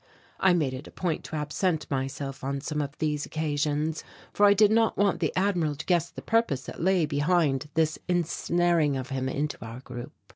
I made it a point to absent myself on some of these occasions, for I did not want the Admiral to guess the purpose that lay behind this ensnaring of him into our group.